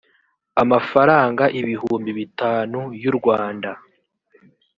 amafaranga ibihumbi bitanu y’u rwanda